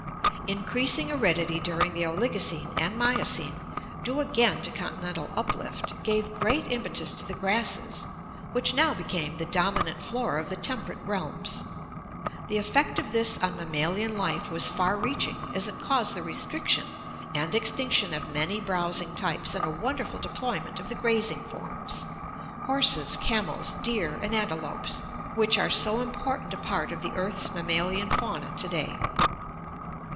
Increasing aridity during the Oligocene and Miocene, due again to continental uplift, gave great impetus to the grasses, which now became the dominant flora of the temperate realms. The effect of this on mammalian life was far reaching as it caused the restric tion and eyf?r '* 1 of many browsing types and a wonderful deploymer ^emenj. grazing forms — horses, camels, deer, and ante lopes— which an so important a part of the earth's mammalian fauna to day.